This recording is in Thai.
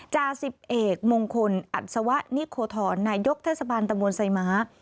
จาศิปเอกมงคลอัตสวะนิโคทรนายกเทศบาลตำบวนไซม้า